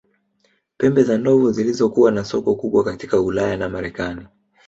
Pembe za ndovu zilizokuwa na soko kubwa katika Ulaya na Marekani